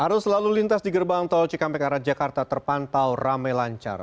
arus lalu lintas di gerbang tol ckmk raja karta terpantau rame lancar